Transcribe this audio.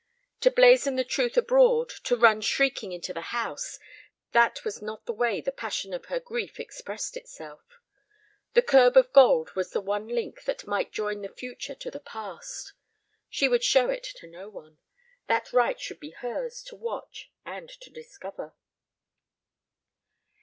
To blazon the truth abroad, to run shrieking into the house, that was not the way the passion of her grief expressed itself. The curb of gold was the one link that might join the future to the past. She would show it to no one. That right should be hers to watch and to discover.